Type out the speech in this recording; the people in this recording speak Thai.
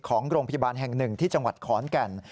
ของโรงพยาบาลแห่งหนึ่งที่จังหวัดขอนแก่น